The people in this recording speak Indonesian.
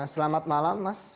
selamat malam mas